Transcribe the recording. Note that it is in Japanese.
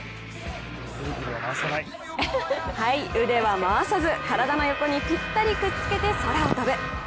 腕は回さず体の横にぴったりくっつけて空を飛ぶ。